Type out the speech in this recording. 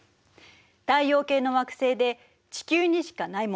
太陽系の惑星で地球にしかないもの